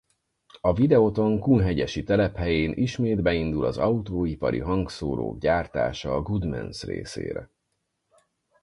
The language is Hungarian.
A Videoton kunhegyesi telephelyén ismét beindul az autóipari hangszórók gyártása a Goodmans részére.